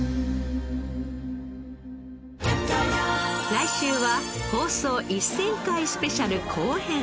来週は放送１０００回スペシャル後編